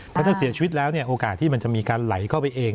ถ้าเสียชีวิตแล้วโอกาสที่มันจะมีการไหลเข้าไปเอง